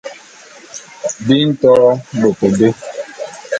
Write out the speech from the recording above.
Bi nto bôt bé.